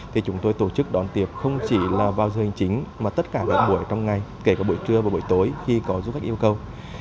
thì chúng tôi tổ chức đón tiếp không chỉ là vào giờ hành chính mà tất cả các buổi trong ngày kể cả buổi trưa và buổi tối khi có du khách yêu cầu